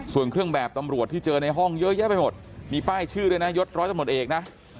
ส่วนเครื่องแบบตำรวจที่เจอในห้องเยอะแยะไปหมดมีป้ายชื่อด้วยนะยศร้อยตำรวจเอกนะ